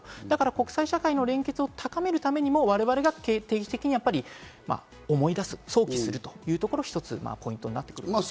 国際社会の連結を高めるためにも我々が定期的に思い出す、想起するということが一つポイントになると思います。